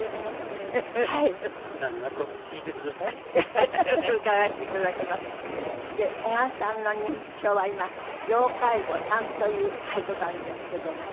で小雁さんの認知症は今要介護３という事なんですけども。